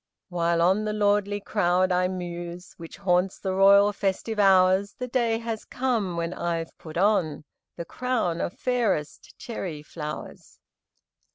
"While on the lordly crowd I muse, Which haunts the Royal festive hours, The day has come when I've put on The crown of fairest cherry flowers."